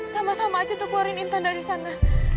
sama sama aja untuk keluarin nintan dari sana